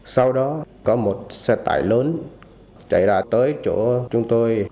sau đó có một xe tải lớn chạy ra tới chỗ chúng tôi